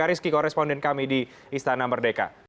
terima kasih koresponden kami di istana merdeka